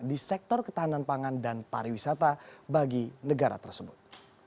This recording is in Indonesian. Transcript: di sektor ketahanan pangan dan pariwisata bagi negara tersebut